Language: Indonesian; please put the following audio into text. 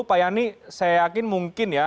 pak yani saya yakin mungkin ya